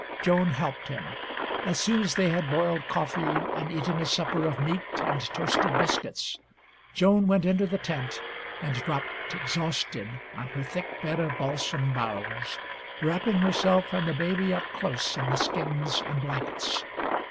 Joan helped him. As soon as they had boiled coffee and eaten a supper of meat and toasted biscuits, Joan went into the tent and dropped exhausted on her thick bed of balsam boughs, wrapping herself and the baby up close in the skins and blankets.